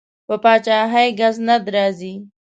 په پادشاهۍ ګزند راځي.